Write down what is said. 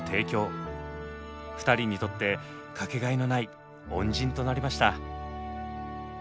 ２人にとって掛けがえのない恩人となりました。